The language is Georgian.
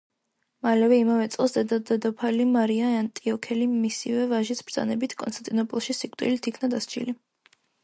მალევე, იმავე წელს დედა-დედოფალი მარია ანტიოქიელი მისივე ვაჟის ბრძანებით კონსტანტინოპოლში სიკვდილით იქნა დასჯილი.